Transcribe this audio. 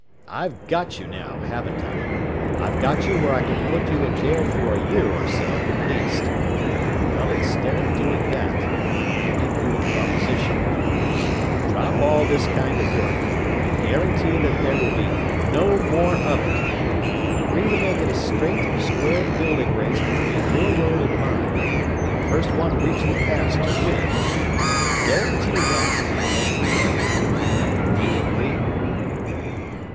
I've got you now, haven't I? I've got you where I can put you in jail for a year or so at least. Well, instead of doing that, I'll make you a proposition: "Drop all this kind of work; guarantee that there will be no more of it agree to make it a straight, square building race between your road and mine, the first one to reach the Pass to win guarantee that, and I'll let you go. "Do you agree?"